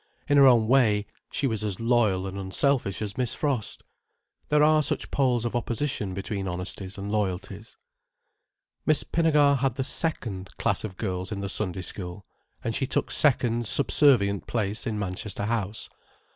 In her own way, she was as loyal and unselfish as Miss Frost. There are such poles of opposition between honesties and loyalties. Miss Pinnegar had the second class of girls in the Sunday School, and she took second, subservient place in Manchester House.